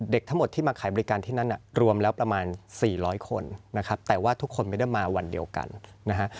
ทั้งหมดที่มาขายบริการที่นั้นรวมแล้วประมาณ๔๐๐คนนะครับแต่ว่าทุกคนไม่ได้มาวันเดียวกันนะฮะ